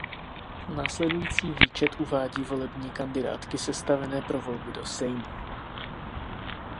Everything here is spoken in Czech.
Následující výčet uvádí volební kandidátky sestavené pro volby do Sejmu.